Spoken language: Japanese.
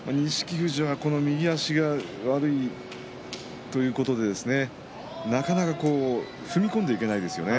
富士は右足が悪いということでなかなか踏み込んでいけないですよね